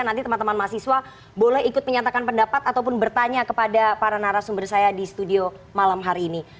nanti teman teman mahasiswa boleh ikut menyatakan pendapat ataupun bertanya kepada para narasumber saya di studio malam hari ini